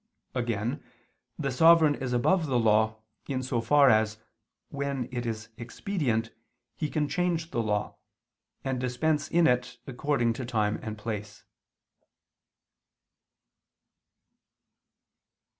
Again the sovereign is above the law, in so far as, when it is expedient, he can change the law, and dispense in it according to time and place.